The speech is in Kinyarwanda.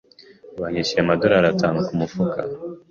Banyishyuye amadorari atanu kumufuka.